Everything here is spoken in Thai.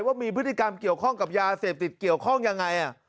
ว่ามีพฤติกรรมเกี่ยวข้องกับยาเสพติดเกี่ยวข้องยังไง